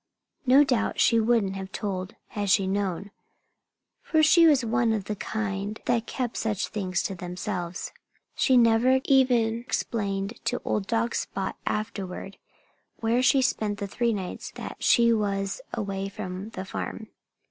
No doubt she wouldn't have told, had she known; for she was one of the kind that keep such things to themselves. She never even explained to old dog Spot, afterward, where she spent the three nights that she was away from the farm.